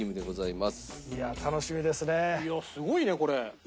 いやすごいねこれ。